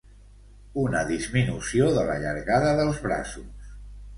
Una disminució de la llargada dels braços.